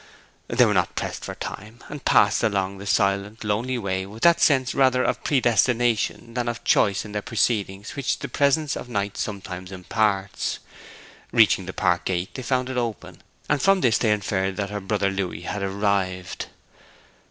They were not pressed for time, and passed along the silent, lonely way with that sense rather of predestination than of choice in their proceedings which the presence of night sometimes imparts. Reaching the park gate, they found it open, and from this they inferred that her brother Louis had arrived.